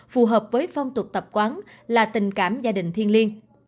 phù hợp với phong tục tập quán là tình cảm gia đình thiên liên